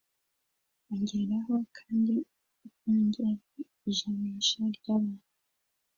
ageramo kandi akongera ijanisha ry abantu